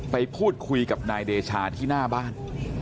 ไปพูดคุยกับนายเดชาที่หน้าบ้าน